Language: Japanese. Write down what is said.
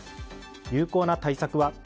有効な対策は？